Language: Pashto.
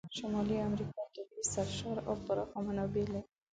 شمالي امریکا طبیعي سرشاره او پراخه منابع لري.